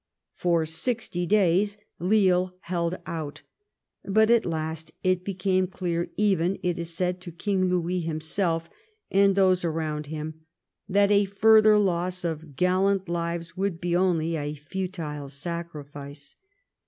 For sixty days Lille held out, but at last it became clear even, it is said, to King Louis himself and those around him, that a further loss of gallant lives would be only a futile sacrifice.